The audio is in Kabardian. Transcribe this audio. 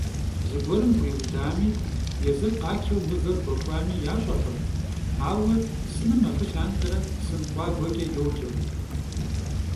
Зыгуэрым гуиудами, езыр къачэу мывэр гуэхуами ящӀэркъым, ауэ сыным абы лъандэрэ «Сын къуагуэкӀэ» йоджэ.